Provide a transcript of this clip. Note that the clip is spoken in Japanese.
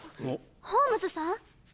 ホームズさん？